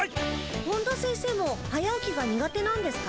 本田先生も早起きが苦手なんですか？